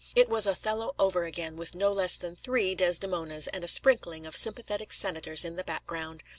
It was Othello over again, with no less than three Desdemonas and a sprinkling of sympathetic senators in the background.